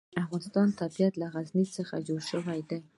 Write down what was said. د افغانستان طبیعت له غزني څخه جوړ شوی دی.